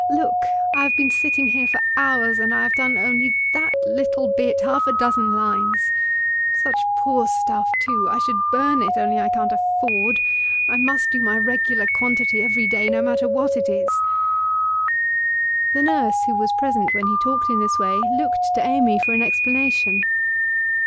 Look! I have been sitting here for hours, and I have done only that little bit, half a dozen lines. Such poor stuff too! I should burn it, only I can't afford. I must do my regular quantity every day, no matter what it is.' The nurse, who was present when he talked in this way, looked to Amy for an explanation.